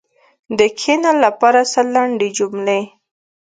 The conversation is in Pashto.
د “کښېنه” لپاره سل لنډې جملې: